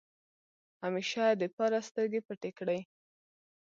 همېشه دپاره سترګې پټې کړې ۔